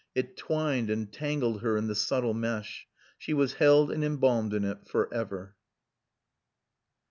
It twined and tangled her in the subtle mesh. She was held and embalmed in it forever.